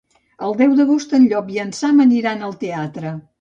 El deu d'agost en Llop i en Sam aniran al teatre.